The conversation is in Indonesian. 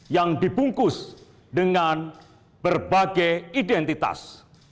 yang dibungkus dengan berbagai identitas